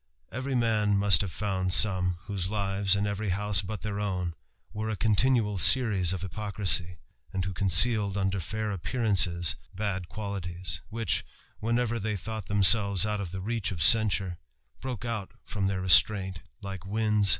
Every man must have found some whose lives, in every house but their own, were a continual series of hypocrisy, and who concealed under fair appearances bad qualities which, whenever they thought themselves out of the ri ot censure, broke out from their restraint, like wtndf T^M RAMBLER.